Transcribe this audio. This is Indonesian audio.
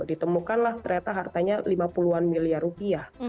ditemukanlah ternyata hartanya lima puluh an miliar rupiah